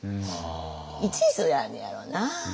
いちずやんねやろな。